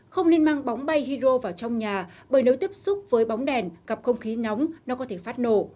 không nên mang bóng bay hyo vào trong nhà bởi nếu tiếp xúc với bóng đèn gặp không khí nóng nó có thể phát nổ